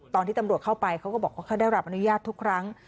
ตอนที่ตำรวจเข้าไปเขาก็บอกว่าเขาได้รับอนุญาตทุกครั้ง